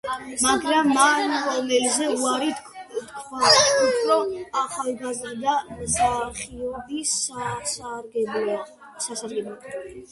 მაგრამ მან როლზე უარი თქვა უფრო ახალგაზრდა მსახიობის სასარგებლოდ.